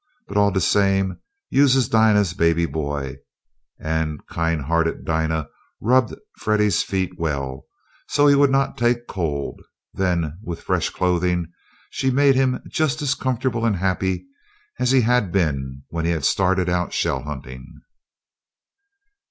But all de same you'se Dinah's baby boy," and kind hearted Dinah rubbed Freddie's feet well, so he would not take cold; then, with fresh clothing, she made him just as comfortable and happy as he had been when he had started out shell hunting.